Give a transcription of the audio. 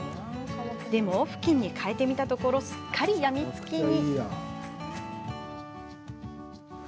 でも、ふきんに替えてみたところすっかり病みつきに。